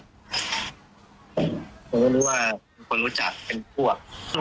ผมก็รู้ว่าคนรู้จักเป็นพวก